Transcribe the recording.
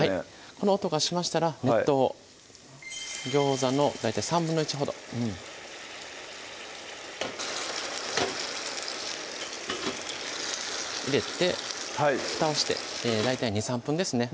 この音がしましたら熱湯をギョウザの大体１／３ほど入れてふたをして大体２３分ですね